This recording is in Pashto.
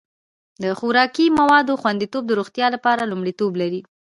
د خوراکي موادو خوندیتوب د روغتیا لپاره لومړیتوب لري.